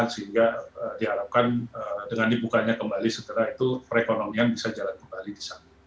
sehingga diharapkan dengan dibukanya kembali segera itu perekonomian bisa jalan kembali di sana